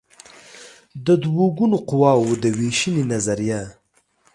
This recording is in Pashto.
د دوه ګونو قواوو د وېشنې نظریه